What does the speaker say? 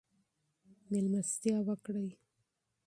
مېلمستیا وکړئ.